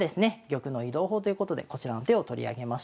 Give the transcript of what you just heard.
玉の移動法ということでこちらの手を取り上げました。